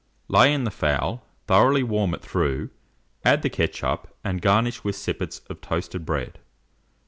Lay in the fowl, thoroughly warm it through, add the ketchup, and garnish with sippets of toasted bread.